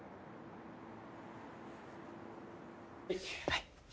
はい。